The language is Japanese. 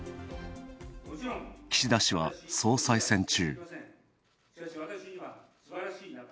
岸田氏は総裁選中。